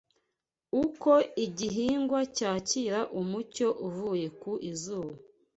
Uko igihingwa cyakira umucyo uvuye ku izuba